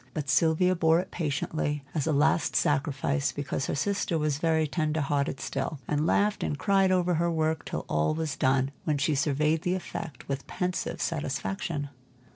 But Sylvia bore it patiently as a last sacrifice, because her sister was very tender hearted still, and laughed and cried over her work till all was done, when she surveyed the effect with pensive satisfaction.